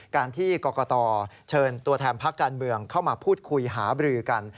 การที่กรกตเชิญตัวแทนพักการเมืองเข้ามาพูดคุยหาบรือกัน